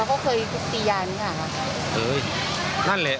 อื้ม